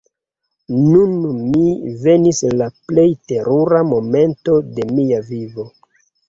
Nun mi venis al la plej terura momento de mia vivo!